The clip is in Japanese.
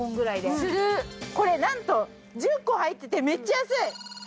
これ何と１０個入っててめっちゃ安い。